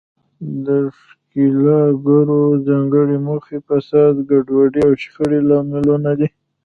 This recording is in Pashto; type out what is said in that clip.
د ښکیلاکګرو ځانګړې موخې، فساد، ګډوډي او شخړې لاملونه دي.